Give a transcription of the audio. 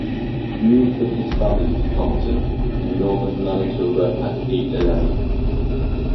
He moved with his family to Thompson, in northern Manitoba, at age eleven.